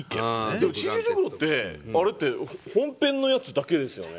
でも鎮守直廊ってあれって本編のやつだけですよね。